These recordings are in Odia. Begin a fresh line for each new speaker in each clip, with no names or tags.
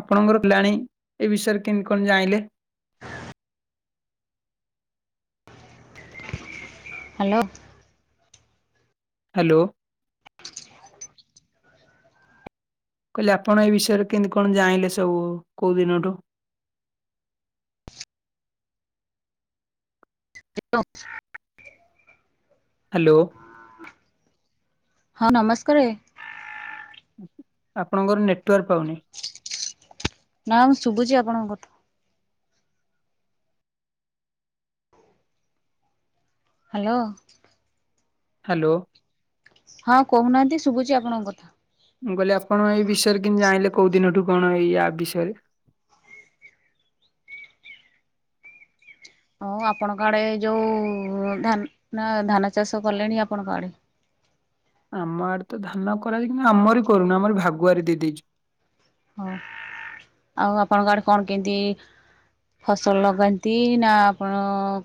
ଆପଣଙ୍କର ପିଲାଣି ଏ ବିଷୟରେ କେମିତି କଣ ଜାଣିଲେ?
ହ୍ୟାଲୋ।
ହ୍ୟାଲୋ। କହିଲେ ଆପଣ ଏଇ ବିଷୟରେ କେମିତି କଣ ଜାଣିଲେ ସବୁ କୋଉ ଦିନଠୁ? ହ୍ୟାଲୋ।
ହଁ ନମସ୍କାରେ।
ଆପଣଙ୍କର ନେଟୱାର୍କ ପାଉନି।
ନା ମ ଶୁଭୁଚି ଆପଣଙ୍କ କଥା। ହାଲୋ।
ହାଲୋ।
ହଁ କହୁନାହାନ୍ତି ଶୁଭୁଚି ଆପଣଙ୍କ କଥା।
ମୁଁ କହିଲି ଆପଣ ଏଇ ବିଷୟରେ କିନ୍ତି ଜାଣିଲେ କୋଉ ଦିନଠୁ କଣ ଏଇ ଆପ୍ ବିଷୟରେ।
ହଉ ଆପଣଙ୍କ ଆଡ଼େ ଯୋଉ ଧାନ ନା ଧାନ ଚାଷ କଲେଣି ଆପଣଙ୍କ ଆଡ଼େ।
ଆମ ଆଡ଼େ ତ ଧାନ କରାଯାଇ କିନ୍ତୁ ଆମରି କରୁନୁ ଆମର ଭାଗୁଆରି ଦେଇଦେଇଚୁ।
ହଁ ଆଉ ଆପଣଙ୍କ ଆଡ଼େ କଣ କେନ୍ତି ଫସଲ ଲଗାନ୍ତି ନା ଆପଣ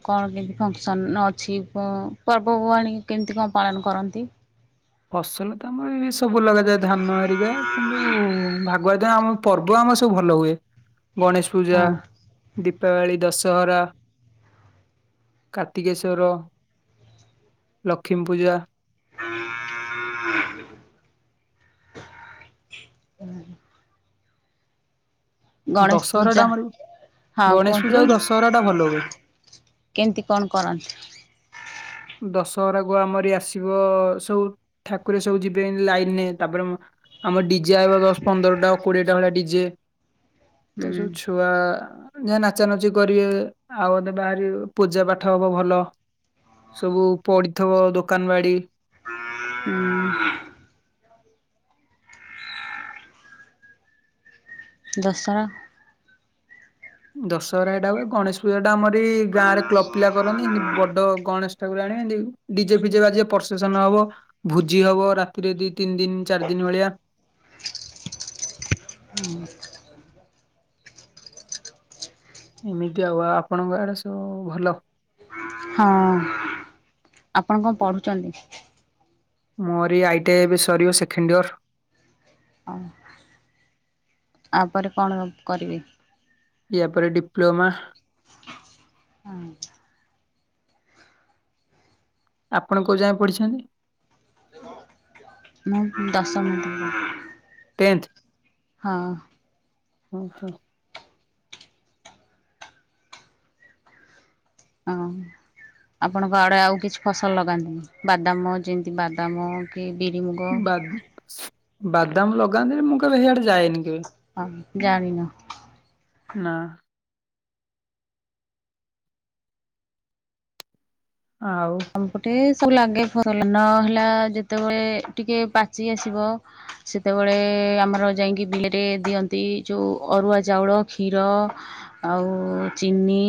କଣ କେମିତି ଫଙ୍କସନ୍ ଅଛି ପୋ ପର୍ବପର୍ବାଣୀ କେମିତି କଣ ପାଳନ କରନ୍ତି?
ଫସଲ ତ ଆମର ଏ ସବୁ ଲଗାଯାଏ ଧାନ ହେରିକା କିନ୍ତୁ ଭାଗ୍ ଆଗୁଆ ଦିନ ଆମ ପର୍ବ ଆମର ସବୁ ଭଲ ହୁଏ ଗଣେଶ ପୂଜା।
ହଁ
ଦୀପାବଳି, ଦଶହରା, କାର୍ତ୍ତିକେଶ୍ୱର, ଲକ୍ଷ୍ମୀ ପୂଜା।
ହୁଁ। ଗଣେଶ
ଦଶହରା ଟା
ପୂଜା
ଆମର
ହଁ
ଗଣେଶ ପୂଜା
କୁହନ୍ତୁ।
ଆଉ ଦଶହରା ଟା ଭଲ ହୁଏ।
କେନ୍ତି କଣ କରନ୍ତି।
ଦଶହରାକୁ ଆମରି ଆସିବ ସବୁ ଠାକୁରେ ସବୁ ଯିବେ ଲାଇନରେ ତାପରେ ଆମର ଡିଜେ ଆଇବ ଦଶ ପନ୍ଦରଟା କୋଡିଏଟା ଭଳିଆ ଡିଜେ ତ
ହୁଁ
ସବୁ ଛୁଆ ଯା ନାଚାନାଚି କରିବେ ଆଉଅଧେ ବାହାରିବେ ପୂଜା ପାଠ ହବ ଭଲ। ସବୁ ପଡିଥିବ ଦୋକାନ ବାଡି।
ହୁଁ। [inaudible] ଦଶହରା।
ଦଶହରା ଏଇଟା ହୁଏ ଗଣେଶ ପୂଜା ଟା ଆମର ଏଇ ଗାଁରେ କ୍ଲବପିଲା କରନ୍ତି ହେଏନ୍ତି ବଡ ଗଣେଶ‌ [unintelligible] ଆଣି ଡିଜେ ଫିଜେ ବାଜିବ ପ୍ରଶେସନ ହବ। ଭୋଜି ହବ ରାତିରେ ଦି ତିନି ଦିନ ଚାରି ଦିନ ଭଳିଆ।
ହୁଁ
ଏମିତି ଆଉ ଆଉ ଆପଣଙ୍କ ଆଡେ ସବୁ ଭଲ?
ହଁ ଆପଣ କଣ ପଢୁଛନ୍ତି?
ମୋରି ଆଇ ଟି ଆଇ ଏବେ ସରିବ ସେକେଣ୍ଡ ଇୟର୍।
ଓ ଆପରେ କଣ କରିବେ କି?
ଇୟା ପରେ ଡିପ୍ଲୋମା।
[inaudible]
ଆପଣ କୋଉ ଯାଏଁ ପଢିଛନ୍ତି?
ମୁଁ ଦଶମ [unintelligible]
ଟେନ୍ଥ।
ହଁ ଆପଣଙ୍କ ଆଡ଼େ ଆଉ କିଛି ଫସଲ ଲଗାନ୍ତିନି ବାଦାମ ଯେମିତି ବାଦାମ। କି ବିରି, ମୁଗ।
ବା ବାଦାମ ଲଗାନ୍ତିନି ମୁଁ କେବେ ହେଇଆଡେ ଯାଏନି
ହଁ
କେବେ।
ଜାଣିନ
ନା। ଆଉ
ଆମପଟେ ସବୁ ଲାଗେ ଫସଲ ନ ହେଲା ଯେତେବେଳେ ଟିକେ ପାଚି ଆସିବ। ସେତେବେଳେ ଆମର ଯାଇକି ବିଲରେ ଦିଅନ୍ତି ଯଉ ଅରୁଆ ଚାଉଳ କ୍ଷୀର। ଆଉ ଚିନି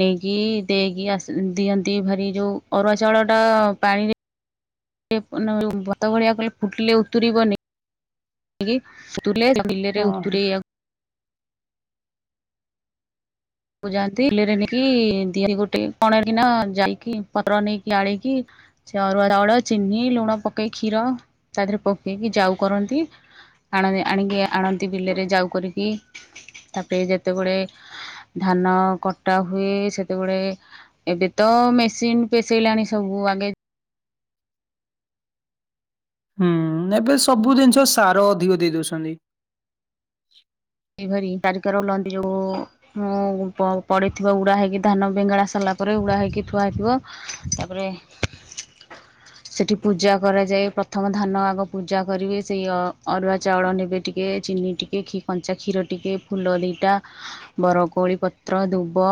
ନେଇକି ଦେଇକି ଆ ସି ଦିଅନ୍ତି ଭାରି ଯୋଉ। ଅରୁଆ ଚାଉଳ ଟା ପାଣିରେ ଭତ ଭଳିଆ କଲେ ଫୁଟିଲେ ଉତରିବନି। ବିଲରେ
ହଁ ହଁ
ଉତରେଇଆକୁ ଯାନ୍ତି ବିଲରେ ନେଇକି ଦି ଗୋଟେ କଣକିନା ଯାଇକି ପତ୍ର ନେଇକି ଆଳିକି। ସେ ଅରୁଆ ଚାଉଳ ଚିନି ଲୁଣ ପକେଇ କ୍ଷୀର ତା ଦେହରେ ପକେଇକି ଯାଉ କରନ୍ତି। ଆଣନ୍ତି ଆଣିକି ଆଣନ୍ତି ବିଲରେ ଯାଉ କରିକି ତାପରେ ଯେତେବେଳେ ଧାନ କଟା ହୁଏ ସେତେବେଳେ। ଏବେ ତ ମେସିନ୍ ପେଶେଇଲାଣି ସବୁ ଆଗେ।
ହୁଁ ଏବେ ସବୁ ଜିନିଷ ସାର ଅଧିକ ଦେଇ ଦଉଛନ୍ତି।
ଏଇଭରି ତାରିକାରର ହ ଲନ୍ତି ଯୋଉ। [unintelligible] ମୁଁ ପଡିଥିବ ଉଡା ହେଇକି ଧାନ ବେଙ୍ଗେଳା ସାରିଲା ପରେ ଉଡା ହେଇକି ଥୁଆ ହେଇଥିବ। ତାପରେ ସେଠି ପୂଜା କରାଯାଏ ପ୍ରଥମ ଧାନ ଆଗ ପୂଜା କରିବେ ସେଇ ଅ ଅରୁଆ ଚାଉଳ ନେବେ। ଟିକେ ଚିନି ଟିକେ କଞ୍ଚା କ୍ଷୀର ଟିକେ ଫୁଲ ଦିଟା। ବର କୋଳି ପତ୍ର ଦୁବ।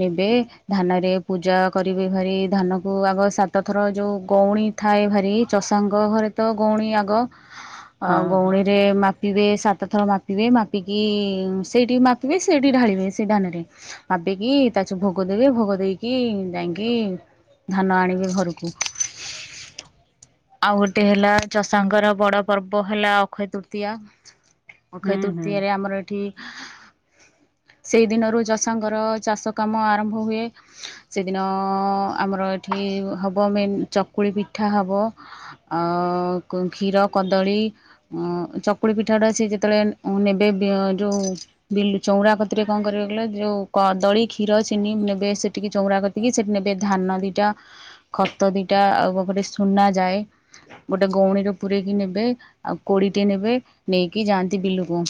ନେବେ ଧାନରେ ପୂଜା କରିବେ ଭାରି ଧାନକୁ ଆଗ ସାତଥର ଯୋଉ ଗଉଣୀ ଥାଏ ଭାରି ଚଷାଙ୍କ ଘରେ ତ ଗଉଣୀ ଆଗ
[inaudible]
ଆଉ ଗଉଣୀ ରେ ମାପିବେ ସାତ ଥର ମାପ ମାପିବେ, ମାପିକି ସେଇଠି ମାପିବେ ସେଇଠି ଢାଳିବେ ସେ ଧାନରେ ମାପିକି ତାଛୁ ଭୋଗ ଦେବେ, ଭୋଗ ଦେଇକି ଯାଇକି ଧାନ ଆଣିବେ ଘରକୁ। ଆଉ ଗୋଟେ ହେଲା ଚଷାଙ୍କର ବଡ ପର୍ବ ହେଲା ଅକ୍ଷୟ ତୃତୀୟା। ଅକ୍ଷୟ
ହୁଁ ହୁଁ
ତୃତୀୟାରେ ରେ ଆମର ଏଠି
[inaudible]
ସେଇ ଦିନରୁ ଚଷାଙ୍କର ଚାଷ କାମ ଆରମ୍ଭ ହୁଏ। ସେଦିନ ଆମର ଏଠି ହବ ମେନ୍ ଚକୁଳି ପିଠା ହବ। ଆ କ୍ଷୀର କଦଳୀ, ଚକୁଳି ପିଠାଟା ଅଛି ଯେ ଯେତେବେଳେ ନେବେ ବେ ଯେଉଁ ବିଲ ଚଉରା କତିରେ କଣ କରିବେ କହିଲ ଯଉ କଦଳି, କ୍ଷୀର, ଚିନି ନେବେ ସେଠିକି ଚଉରା କତି ସେଠି ନେବେ ଧାନ ଦିଟା, ଖତ ଦିଟା ଆଉ ବକଟେ ସୁନା ଯାଏ। ଗୋଟେ ଗଉଣୀରେ ପୁରେକି ନେବେ ଆଉ କୋଡିଟେ ନେବେ ନେଇକିଯାନ୍ତି। ନ୍ତି ବିଲ କୁ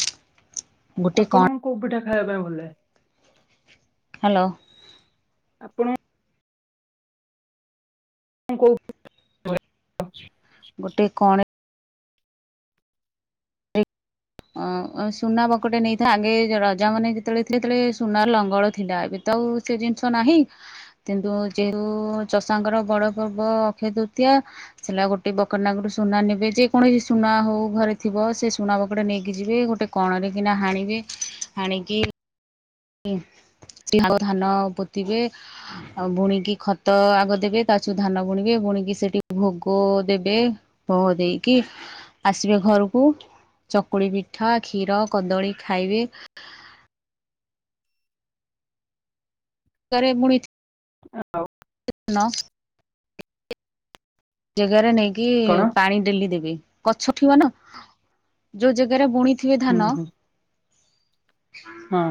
ଆପଣଙ୍କୁ କୋଉ ପିଠା ଖାଇବା ପାଇଁ ଭଲ ଲାଗେ?
ହାଲୋ।
ଆପଣ କଁ କହୁ
ଗୋଟେ କଣ ଅ ସୁନା ବକଟେ ନେଇଥା, ଆଗେ ରଜା ମାନେ ଯେତେବେଳେ ଥିଲେ, ସେତେବେଳେ ସୁନାର ଲଙ୍ଗଳ ଥିଲା, ଏବେ ତ ଆଉ ସେ ଜିନିଷ ନାହିଁ। କିନ୍ତୁ ଯେହେତୁ ଚଷାଙ୍କର ବଡ ପର୍ବ ଅକ୍ଷୟ ତୃତୀୟା। ସେଲା ଗୋଟେ ବକଟେ ନାକୁରୁ ସୁନା ନେବେ ଯେ କୌଣସି ସୁନା ହଉ ଘରେ ଥିବ ସେ ସୁଣା ବ ଏପଟେ ନେଇକି ଯିବେ ଗୋଟେ କଣରେ କିନା ହାଣିବେ, ହାଣିକି [unintelligible] ଧାନ ପୋତିବେ। ଆଉ ବୁଣିକି ଖତ ଆଗ ଦେବେ, ତା ଛୁ ଧାନ ବୁଣିବେ ବୁଣିକି ସେଠି ଭୋଗ ଦେବେ ଭୋଗ ଦେଇକି ଆସିବେ ଘରକୁ, ଚକୁଳି ପିଠା କ୍ଷୀର କଦଳୀ ଖାଇବେ। କାରେ ପୁଣି ଏଠି
[unintelligible]
ନ ଜାଗାରେ ନେଇକି
କଣ
ପାଣି ଡେଲି ଦେବି, ଗଛ ଉଠିବ ନା ଯୋଉ ଜାଗାରେ ବୁଣି ଥିଲେ
ହୁଁ
ଧାନ
ହୁଁ ହଁ।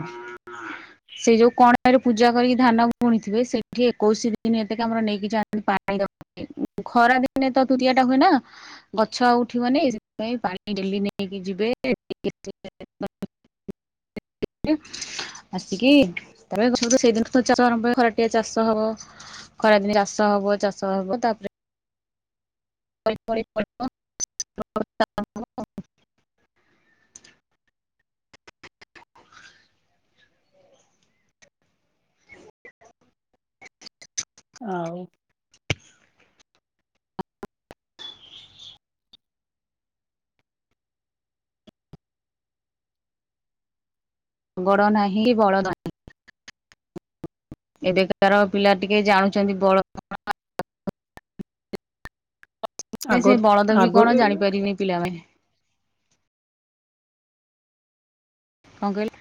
ସେ ଯୋଉ କଣ ପାଇଁ ର ପୂଜା କରିକି ଧାନ ବୁଣିଥିବେ, ସେଠି ଏକୋଇଶି ଦିନ ଏତିକି ଆମର ନେଇକି ଯାଆନ୍ତି ପାଣି ଦ [unintelligible] ଖରା ଦିନେ ତ ତୁତିଆ ଟା ହୁଏନା। ଗଛ ଆଉ ଉଠିବନି ସେଥିପାଇଁ ପାଣି ଡେଲି ନେଇକି ଯିବେ। [unintelligible]
[inaudible]
[unintelligible] ଆସିକି ତାପରେ [unintelligible] ସେଇଦିନ ଚାଷ ଆରମ୍ଭ ହ ଖରାଟିଆ ଚାଷ ହବ। ଖରାଦିନେ ଚାଷ ହବ, ଚାଷ ହବ ତାପରେ [unintelligible]
ଆଉ
ଗଡ ନାହିଁ କି ବଳଦ ନାହିଁ। ଏବେକାର ପିଲା ଟିକେ ଜାଣୁଛନ୍ତି ବଳ। [unintelligible]
ଆଗ
[unintelligible] ସେଇ ବଳଦ ବି କଣ
ଆଗରେ
ଜାଣିପାରିବେନି ପିଲାମାନେ। କଣ କହିଲ?